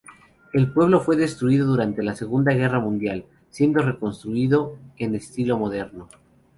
El pueblo fue destruido durante la Segunda Guerra Mundial, siendo reconstruido en estilo moderno.